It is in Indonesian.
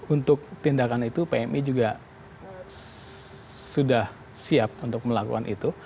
untuk tindakan itu pmi juga sudah siap untuk melakukan itu